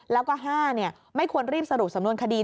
แล้วก็๕ไม่ควรรีบสรุปสำนวนคดี